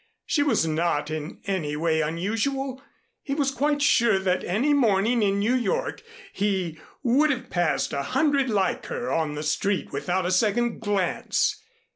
She was not in any way unusual. He was quite sure that any morning in New York he would have passed a hundred like her on the street without a second glance.